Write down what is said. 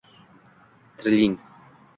tiriling